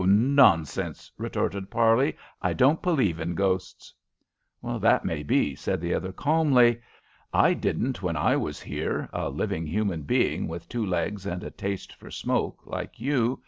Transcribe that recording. Nonsense'" retorted Parley. "I don't believe in ghosts." "That may be," said the other, calmly. "I didn't when I was here, a living human being with two legs and a taste for smoke, like you.